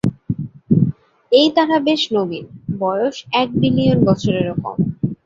এই তারা বেশ নবীন, বয়স এক বিলিয়ন বছরেরও কম।